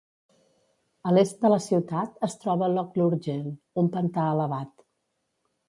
A l'est de la ciutat es troba Loch Lurgeen, un pantà elevat.